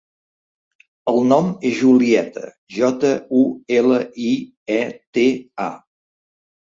El nom és Julieta: jota, u, ela, i, e, te, a.